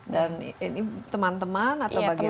dan ini teman teman atau bagaimana